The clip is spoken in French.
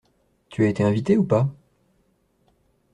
Tu as été invité ou pas ?